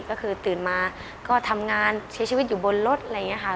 ก็คือตื่นมาก็ทำงานใช้ชีวิตอยู่บนรถอะไรอย่างนี้ค่ะ